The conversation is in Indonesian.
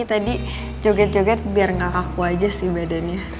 tadi joget joget biar nggak kaku aja sih badannya